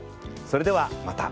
それではまた。